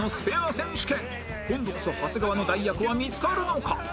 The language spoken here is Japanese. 今度こそ長谷川の代役は見付かるのか？